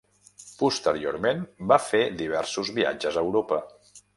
Posteriorment va fer diversos viatges a Europa.